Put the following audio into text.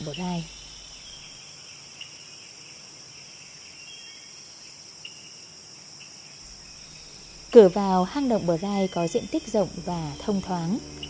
cửa vào hang động bờ gai có diện tích rộng và thông thoáng